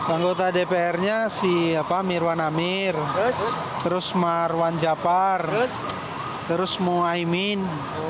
anggota dpr nya si mirwan amir terus marwan japar terus muhaimin